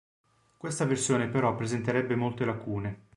Questa versione però presenterebbe molte lacune.